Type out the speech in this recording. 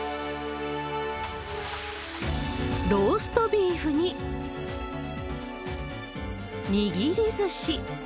ローストビーフに、握りずし。